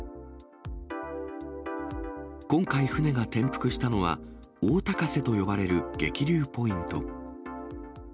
今回、船が転覆したのは大高瀬と呼ばれる激流ポイント。